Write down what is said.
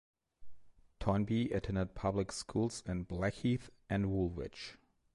Toynbee attended public schools in Blackheath and Woolwich.